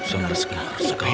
sangat sekitar sekali